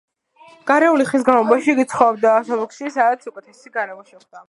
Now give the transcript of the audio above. გარეული ხნის განმავლობაში იგი ცხოვრობდა სუფოლკში, სადაც უკეთესი გარემო შეხვდა.